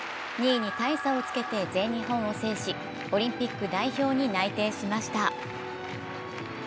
２位に大差をつけて全日本を制しオリンピック代表に内定しました。